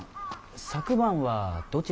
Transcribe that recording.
昨晩はどちらに？